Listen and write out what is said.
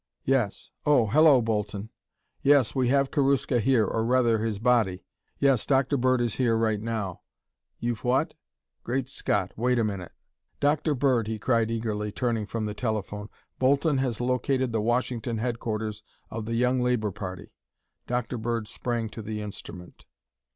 "Yes. Oh, hello, Bolton. Yes, we have Karuska here, or rather his body. Yes, Dr. Bird is here right now. You've what? Great Scott, wait a minute." "Dr. Bird," he cried eagerly turning from the telephone, "Bolton has located the Washington headquarters of the Young Labor party." Dr. Bird sprang to the instrument.